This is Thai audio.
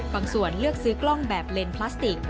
ส่วนเลือกซื้อกล้องแบบเลนพลาสติก